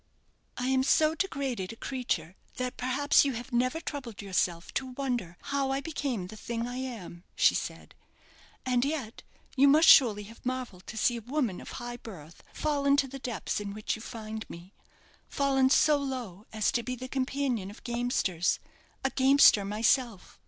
"I am so degraded a creature that, perhaps, you have never troubled yourself to wonder how I became the thing I am," she said; "and yet you must surely have marvelled to see a woman of high birth fallen to the depths in which you find me; fallen so low as to be the companion of gamesters, a gamester myself.